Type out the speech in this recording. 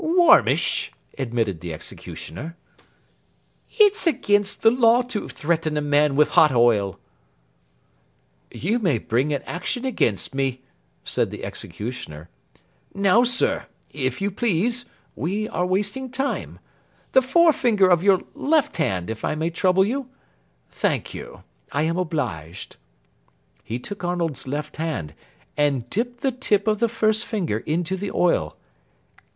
"Warmish," admitted the executioner. "It's against the law to threaten a man with hot oil." [Illustration: PLATE I] "You may bring an action against me," said the executioner. "Now, sir, if you please. We are wasting time. The forefinger of your left hand, if I may trouble you. Thank you. I am obliged." He took Arnold's left hand, and dipped the tip of the first finger into the oil.